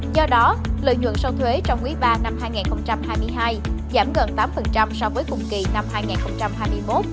do đó lợi nhuận sau thuế trong quý ba năm hai nghìn hai mươi hai giảm gần tám so với cùng kỳ năm hai nghìn hai mươi một